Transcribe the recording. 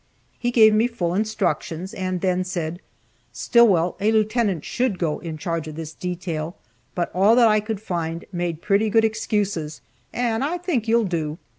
He gave me full instructions, and then said, "Stillwell, a lieutenant should go in charge of this detail, but all that I could find made pretty good excuses and I think you'll do.